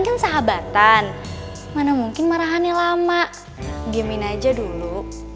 kan sahabatan mana mungkin marahannya lama diemin aja dulu